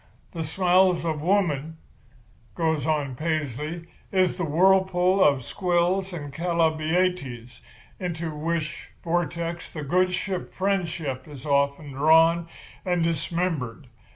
The smiles of woman,' goes on Paisley, 'is the whirlpool of Squills and Chalybeates, into which vortex the good ship Friendship is often drawn and dismembered.